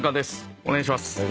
お願いします。